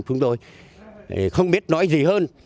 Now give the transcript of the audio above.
chúng tôi không biết nói gì hơn